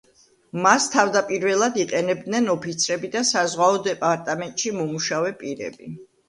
მას თავდაპირველად იყენებდნენ ოფიცრები და საზღვაო დეპარტამენტში მომუშავე პირები.